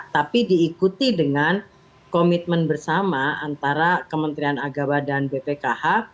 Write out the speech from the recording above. tapi diikuti dengan komitmen bersama antara kementerian agama dan bpkh